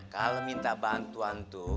kalo minta bantuan tuh